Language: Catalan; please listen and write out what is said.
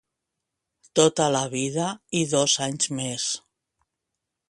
Tota la vida i dos anys més.